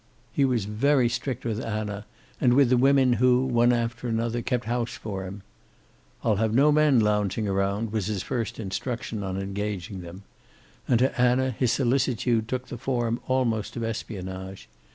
He was very strict with Anna, and with the women who, one after another, kept house for him. "I'll have no men lounging around," was his first instruction on engaging them. And to Anna his solicitude took the form almost of espionage.